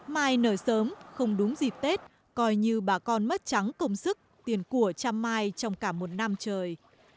mai nở sớm không đúng dịp tết coi như bà con mất trắng công sức tiền của chăm mai trong cả một năm trời